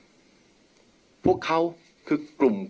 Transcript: เพื่อยุดยั้งการสืบทอดอำนาจของขอสอชอต่อและยังพร้อมจะเป็นนายกรัฐมนตรี